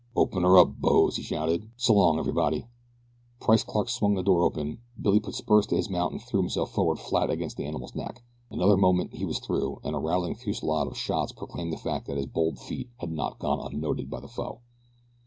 "Open her up, boes!" he shouted, and "S'long everybody!" Price Clark swung the door open. Billy put spurs to his mount and threw himself forward flat against the animal's neck. Another moment he was through and a rattling fusillade of shots proclaimed the fact that his bold feat had not gone unnoted by the foe.